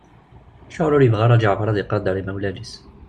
Acuɣer ur yibɣi ara Ǧeɛfer ad iqadeṛ imawlan-is?